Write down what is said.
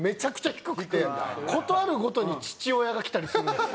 事あるごとに父親が来たりするんです。